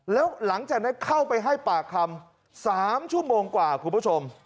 แล้วหลังจากนั้นเข้าไปให้ปากคำ๓ชั่วโมงกว่าคุณผู้ชม